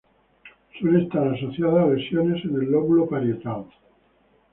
Suele estar asociada a lesiones en el lóbulo parietal.